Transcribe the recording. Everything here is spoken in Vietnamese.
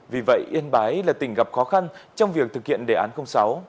vì vậy yên bái là tỉnh gặp khó khăn trong việc thực hiện đề án sáu